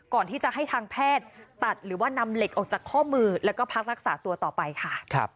ก่อนที่จะให้ทางแพทย์ตัดหรือว่านำเหล็กออกจากข้อมือแล้วก็พักรักษาตัวต่อไปค่ะ